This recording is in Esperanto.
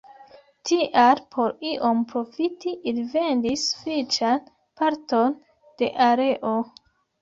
Tial por iom profiti ili vendis sufiĉan parton de areo.